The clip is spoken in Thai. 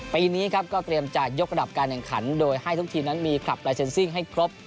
ปีนี้ครับก็เตรียมจะยกระดับการแข่งขันโดยให้ทุกทีมนั้นมีคลับลายเซ็นซิ่งให้ครบ